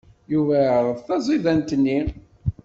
Yuba iɛṛeḍ taẓidant-nni.